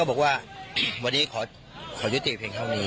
เธอก็บอกว่าวันดีขอยุดตีพันธุ์เท่านี้